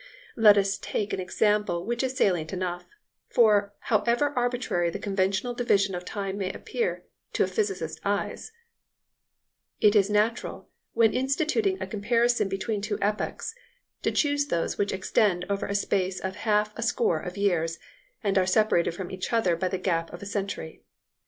Let us take an example which is salient enough; for, however arbitrary the conventional division of time may appear to a physicist's eyes, it is natural, when instituting a comparison between two epochs, to choose those which extend over a space of half a score of years, and are separated from each other by the gap of a century.